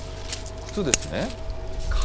靴ですね？